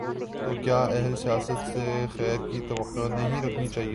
تو کیا اہل سیاست سے خیر کی توقع نہیں رکھنی چاہیے؟